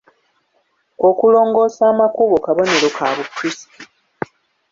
Okulongoosa amakubo kabonero ka Bukrisito.